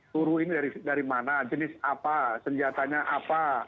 turu ini dari mana jenis apa senjatanya apa